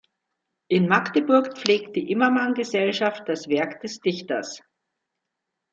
In Magdeburg pflegt die Immermann-Gesellschaft das Werk des Dichters.